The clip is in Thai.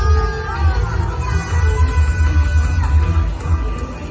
มันเป็นเมื่อไหร่แล้ว